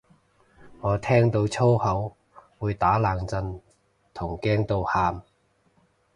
我聽到粗口會打冷震同驚到喊